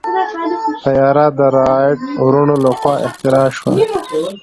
طیاره د رائټ وروڼو لخوا اختراع شوه.